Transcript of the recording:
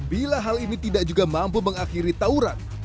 bila hal ini tidak juga mampu mengakhiri tawuran